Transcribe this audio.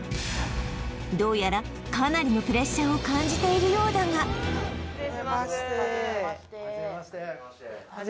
どうやらかなりのプレッシャーを感じているようだが失礼します